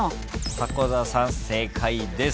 迫田さん正解です。